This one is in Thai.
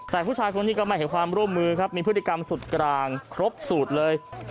แต่ผู้ชายคนนี้ก็ไม่ให้ความร่วมมือครับมีพฤติกรรมสุดกลางครบสูตรเลย